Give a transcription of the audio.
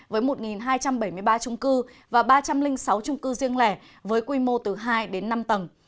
với một hai trăm bảy mươi ba trung cư và ba trăm linh sáu trung cư riêng lẻ với quy mô từ hai đến năm tầng